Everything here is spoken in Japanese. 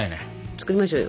作りましょうよ。